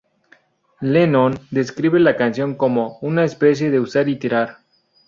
Lennon describió la canción como "una especie de usar y tirar".